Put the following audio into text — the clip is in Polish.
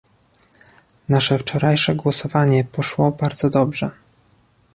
Nasze wczorajsze głosowanie poszło bardzo dobrze